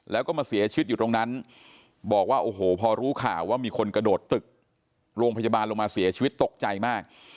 แล้วก็มาเสียชีวิตอยู่ตรงนั้นบอกว่าโอ้โหพอรู้ข่าวว่ามีคนกระโดดตึกโรงพยาบาลลงมาเสียชีวิตตกใจมาก